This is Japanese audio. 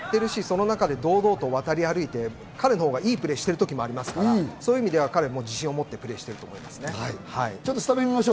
やってるし、その中で堂々と渡り歩いて、彼の方が良いプレーをしているときもありますから、そういう意味で自信を持ってプレーしていると思います。